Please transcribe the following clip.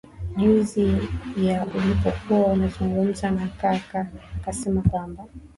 juzi ya alipokuwa anazungumza na aka aka akasema kwamba